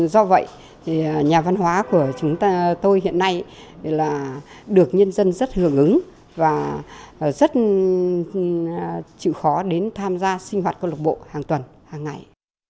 do vậy nhà văn hóa của chúng tôi hiện nay là được nhân dân rất hưởng ứng và rất chịu khó đến tham gia sinh hoạt câu lộc bộ hàng tuần hàng ngày